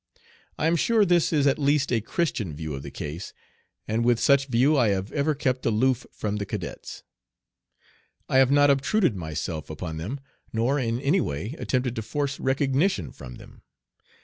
I am sure this is at least a Christian view of the case, and with such view I have ever kept aloof from the cadets. I have not obtruded myself upon them, nor in any way attempted to force recognition from them.